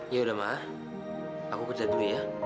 yaudah ma aku kerja dulu ya